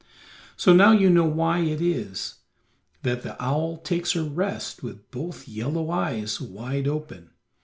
So now you know why it is that the owl takes her rest with both yellow eyes wide open.